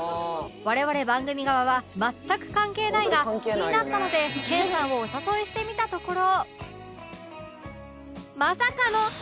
我々番組側は全く関係ないが気になったので研さんをお誘いしてみたところ